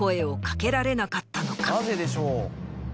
なぜでしょう？